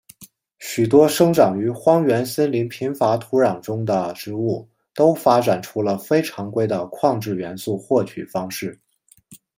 许多生长于荒原森林贫乏土壤中的植物都发展出了非常规的矿质元素获取方式。